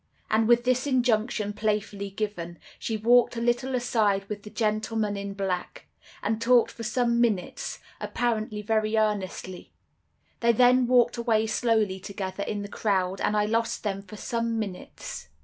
"And with this injunction, playfully given, she walked a little aside with the gentleman in black, and talked for some minutes, apparently very earnestly. They then walked away slowly together in the crowd, and I lost them for some minutes.